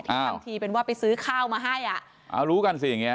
อ่าที่ทั้งทีเป็นว่าไปซื้อข้าวมาให้อ่ะอ่ารู้กันสิอย่างเงี้ย